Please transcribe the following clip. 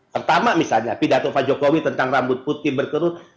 pertama misalnya pidato fajokowi tentang rambut putih berkerut